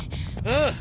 ああ。